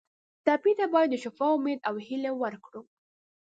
ټپي ته باید د شفا امید او هیله ورکړو.